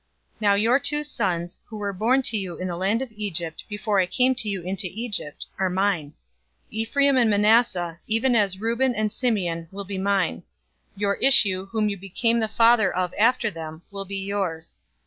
048:005 Now your two sons, who were born to you in the land of Egypt before I came to you into Egypt, are mine; Ephraim and Manasseh, even as Reuben and Simeon, will be mine. 048:006 Your issue, who you become the father of after them, will be yours.